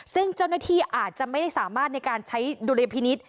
ซึ่งเจ้าหน้าที่อาจจะไม่ได้สามารถในการใช้ดุลยพินิษฐ์